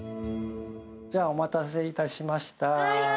お待たせいたしました。